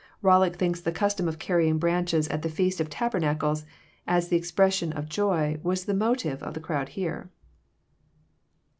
Bollock thinks the custom of carrying branches at the feast of tabernacles, as the expression of Joy, was the motive of the crowd here.